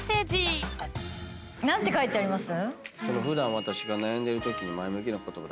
何て書いてあります？